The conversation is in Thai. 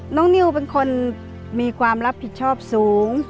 นิวเป็นคนมีความรับผิดชอบสูง